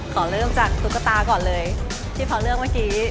ขอเริ่มจากตุ๊กตาก่อนเลยที่เขาเลือกเมื่อกี้